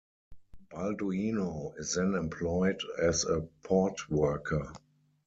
Balduino is then employed as a port worker.